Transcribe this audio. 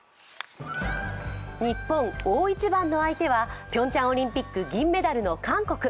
日本、大一番の相手はピョンチャンオリンピック銀メダルの韓国。